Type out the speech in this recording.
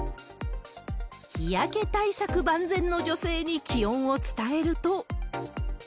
日焼け対策万全の女性に気温を伝えると。